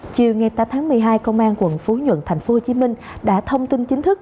chiều ngày tám tháng một mươi hai công an quận phú nhuận tp hcm đã thông tin chính thức